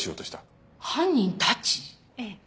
ええ。